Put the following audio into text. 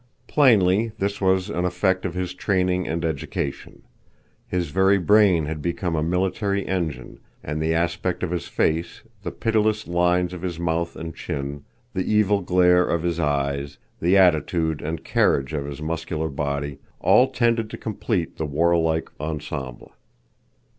Plainly, this was an effect of his training and education. His very brain had become a military engine; and the aspect of his face, the pitiless lines of his mouth and chin, the evil glare of his eyes, the attitude and carriage of his muscular body, all tended to complete the warlike ensemble.